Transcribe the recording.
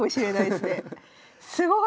すごい！